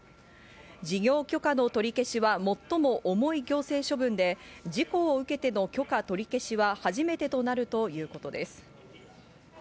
事業許可の取り消しは最も重い行政処分で、事故を受けての許可取り消しは初めてとなるということです。